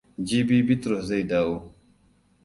Jibi Bitrus zai dawo.